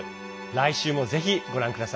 来週も、ぜひご覧ください。